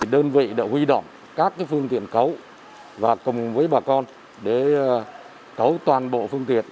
đơn vị đã huy động các phương tiện cấu và cùng với bà con để cấu toàn bộ phương tiện